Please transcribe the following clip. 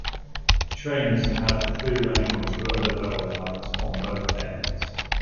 Trains have through running onto other railway lines on both ends.